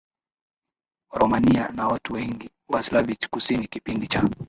Waromania na watu wengi wa Slavic Kusini Kipindi cha